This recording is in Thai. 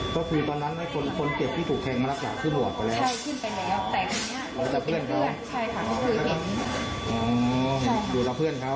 แต่เพื่อนเขาใช่ค่ะเขาคือเห็นอ๋อใช่ค่ะอยู่แล้วเพื่อนเขา